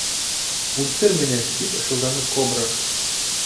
Үлтер мине! — тип ышылданы кобра.